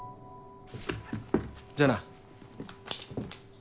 じゃあな。